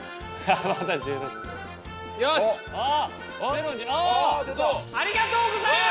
ありがとうございます！